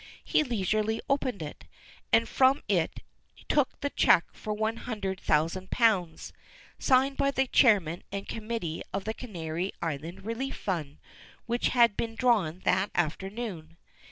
He leisurely opened it, and from it took the cheque for one hundred thousand pounds, signed by the chairman and committee of the Canary Island Relief Fund, which had been drawn that afternoon.